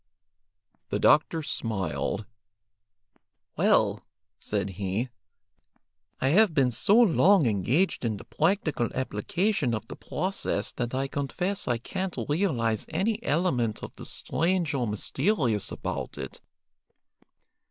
The doctor smiled. "Well," said he, "I have been so long engaged in the practical application of the process that I confess I can't realize any element of the strange or mysterious about it.